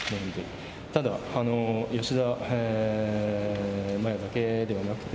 ただ、吉田麻也だけではなくて、